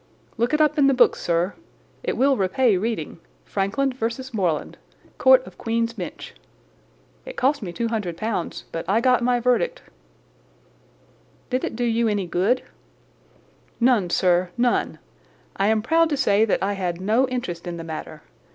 "Look it up in the books, sir. It will repay reading—Frankland v. Morland, Court of Queen's Bench. It cost me £200, but I got my verdict." "Did it do you any good?" "None, sir, none. I am proud to say that I had no interest in the matter.